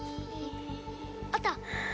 あった！